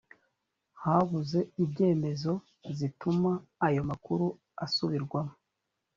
habuze ibyemezo zituma ayo makuru asubirwamo